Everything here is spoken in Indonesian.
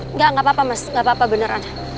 enggak gak apa apa mas gak apa apa beneran